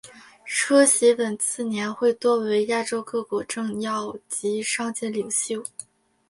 出席本次年会多为亚洲各国政要及商界领袖。